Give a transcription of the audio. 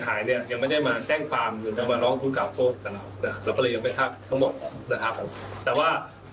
แข็งตาบปารังกเงินสามารถใช้ขึ้น